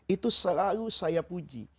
itu selalu saya puji